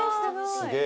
すげえ！